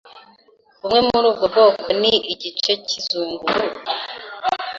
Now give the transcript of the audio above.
Bumwe muri ubwo bwoko ni igice cyizunguruka